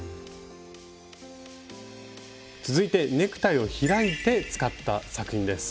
続いてネクタイを開いて使った作品です。